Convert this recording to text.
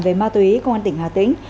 về ma túy công an tỉnh hà tĩnh